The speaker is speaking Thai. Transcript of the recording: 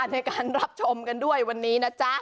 ในการรับชมกันด้วยวันนี้นะจ๊ะ